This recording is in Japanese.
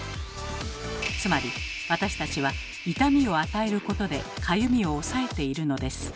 つまり私たちは痛みを与えることでかゆみを抑えているのです。